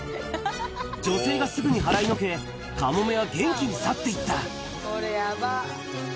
女性がすぐに払いのけ、カモメは元気に去っていった。